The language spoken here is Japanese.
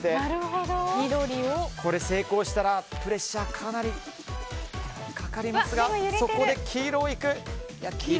成功したらプレッシャーがかなりかかりますがそこで黄色いく。